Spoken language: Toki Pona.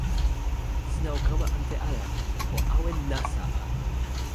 sina o kama ante ala. o awen nasa a!